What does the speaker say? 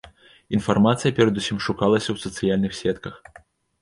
Інфармацыя перадусім шукалася ў сацыяльных сетках.